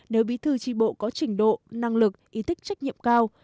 nếu bí thư tri bộ có trình độ năng lực ý thức trách nhiệm cao